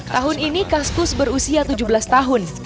tahun ini kaskus berusia tujuh belas tahun